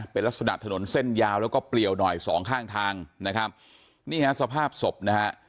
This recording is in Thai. เป็นลักษณะถนนเส้นยาวแล้วก็เปลี่ยวหน่อยสองข้างทางนะครับนี่ฮะสภาพศพนะฮะ